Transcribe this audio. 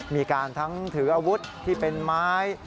มีการทั้งถืออาวุธที่เป็นไม้